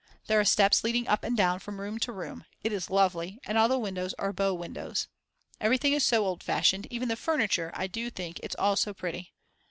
There are steps leading up and down from room to room, it is lovely, and all the windows are bow windows. Everything is so old fashioned, even the furniture I do think it's all so pretty.